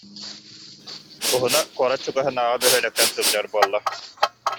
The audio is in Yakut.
Уһуна куорат чугаһынааҕы бөһүөлэктэн сылдьар буолла